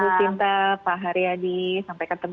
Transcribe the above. bu sinta pak haryadi sampai ketemu